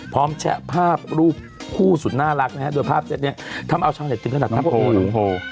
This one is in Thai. พร้อมแชะภาพรูปผู้สุดน่ารักนะครับโดยภาพเซ็ตเนี่ยทำเอาชาวเหล็กถึงขนาดน้องโพ